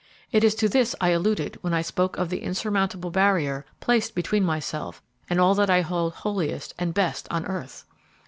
It was to this I alluded when I spoke of the insurmountable barrier placed between myself and all that I hold holiest and best on earth!"